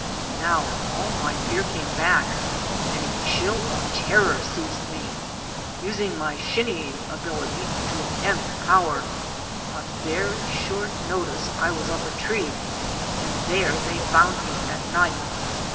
Now all my fear came back and a chill of terror seized me. Using my shinning ability to its nth power, on very short notice I was up a tree and there they found me at night.